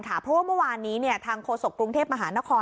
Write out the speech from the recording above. เพราะว่าเมื่อวานนี้ทางโฆษกรุงเทพมหานคร